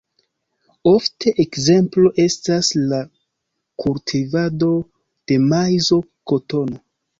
Ofte ekzemplo estas la kultivado de maizo, kotono.